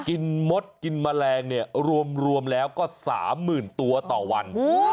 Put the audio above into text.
มดกินแมลงเนี่ยรวมแล้วก็๓๐๐๐ตัวต่อวัน